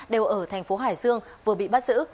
đều ở thành phố hải dương vừa bị bắt giữ